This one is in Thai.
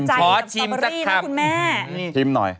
นัดสอบสตรอเบอร์รี่นะคุณแม่